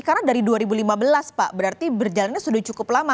karena dari dua ribu lima belas pak berarti berjalannya sudah cukup lama